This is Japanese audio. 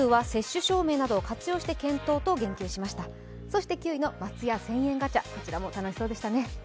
そして９位の松屋１０００円ガチャ、こちらも楽しそうでしたね。